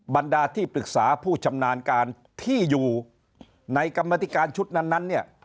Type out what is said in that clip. บรรดาที่ปรึกษาผู้ชำนาญการที่อยู่ในกรรมธิการชุดนั้นเนี่ย